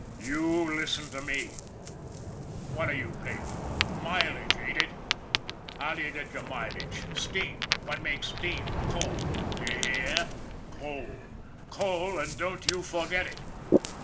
" You listen to me ! What are you paid for ? Mile age, ain't it ? How do you get your mileage ? Steam ! What makes steam? Coal! D'ye hear? Coal! Coal, and don't you forget it.